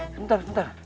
eh bentar bentar